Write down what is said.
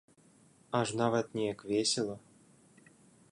Аж нават неяк весела.